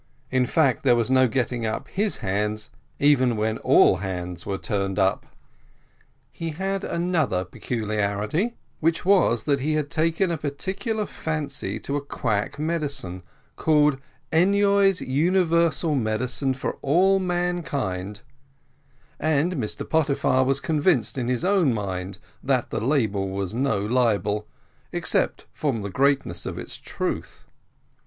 In fact, there was no getting up his hands, even when all hands were turned up. He had another peculiarity, which was, that he had taken a peculiar fancy to a quack medicine, called Enouy's Universal Medicine for all Mankind; and Mr Pottyfar was convinced in his own mind that the label was no libel, except from the greatness of its truth.